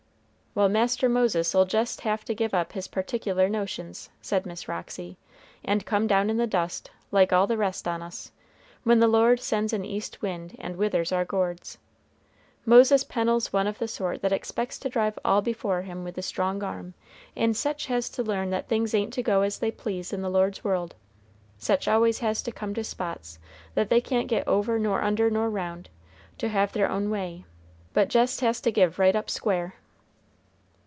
"Well, Master Moses'll jest have to give up his particular notions," said Miss Roxy, "and come down in the dust, like all the rest on us, when the Lord sends an east wind and withers our gourds. Moses Pennel's one of the sort that expects to drive all before him with the strong arm, and sech has to learn that things ain't to go as they please in the Lord's world. Sech always has to come to spots that they can't get over nor under nor round, to have their own way, but jest has to give right up square."